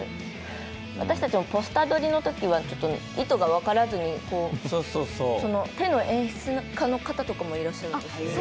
私たちもポスター撮りのときは意図が分からずにその手の演出家の方もいらっしゃるんですよね。